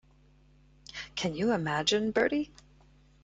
Can you imagine, Bertie?